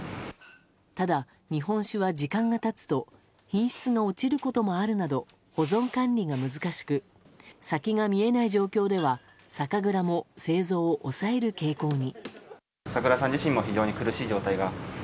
ただ、日本酒は時間が経つと品質が落ちることがあるなど保存管理が難しく先が見えない状況では酒蔵も製造を抑える傾向に。